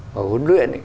và huấn luyện ấy